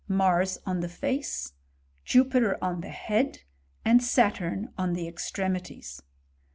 Mars on the face, Jupi ter on the head, and Saturn on the extremities.